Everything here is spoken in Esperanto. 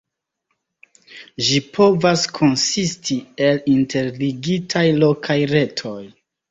Ĝi povas konsisti el interligitaj lokaj retoj.